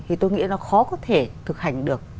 thì tôi nghĩ nó khó có thể thực hành được